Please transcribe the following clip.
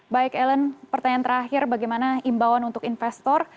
baik ellen pertanyaan terakhir bagaimana imbauan untuk investor